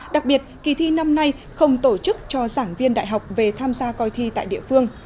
đặc biệt kỳ thi năm nay không tổ chức cho giảng viên đại học về tham gia coi thi tại địa phương